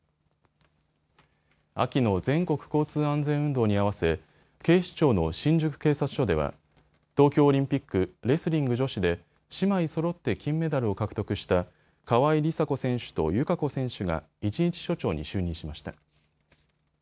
秋の全国交通安全運動に合わせ警視庁の新宿警察署では東京オリンピックレスリング女子で姉妹そろって金メダルを獲得した川井梨紗子選手と友香子選手が一日署長に就任しました。